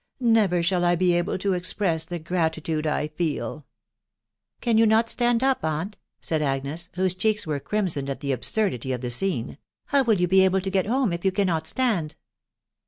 ec Never shall I be able to express the gratitude I feel !"" Can you not stand up, aunt ?" said Agnes, whose cheeks were crimsoned at the absurdity of the scene. " How will you he able to get home if you cannot stand